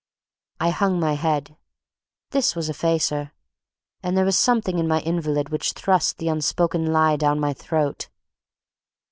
I hung my head. This was a facer. And there was something in my invalid which thrust the unspoken lie down my throat.